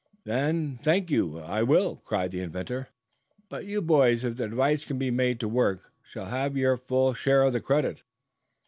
"Then thank you, I will," cried the inventor, earnestly. "But you boys, if the device can be made to work, shall have your full share of the credit."